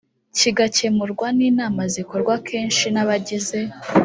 kigakemurwa n inama zikorwa kenshi n abagize